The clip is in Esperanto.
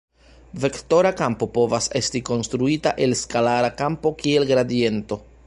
Vektora kampo povas esti konstruita el skalara kampo kiel gradiento.